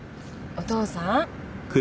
お父さん。